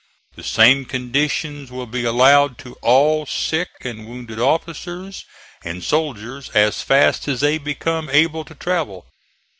The same conditions will be allowed to all sick and wounded officers and soldiers as fast as they become able to travel.